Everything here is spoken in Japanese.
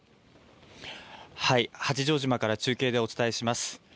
八丈島から中継でお伝えします。